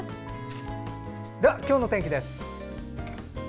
では今日の天気です。